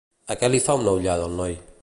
A què li fa una ullada el noi?